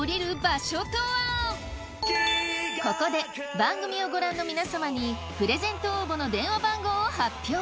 ここで番組をご覧の皆様にプレゼント応募の電話番号を発表。